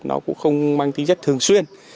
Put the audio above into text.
nó cũng không mang tính chất thường xuyên